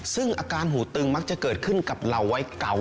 ซึ่งอาการหูตึงมักจะเกิดขึ้นกับเหล่าวัยเก่า